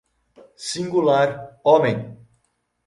Singular homem!